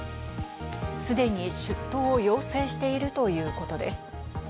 すでに出頭を要請しているということです。